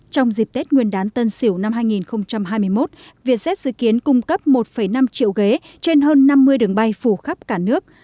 trong dịp tết nguyên đán tân sỉu năm hai nghìn hai mươi một vietjet dự kiến cung cấp một năm triệu ghế trên hơn năm mươi đường bay phủ khắp cả nước